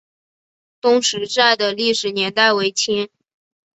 东石寨的历史年代为清。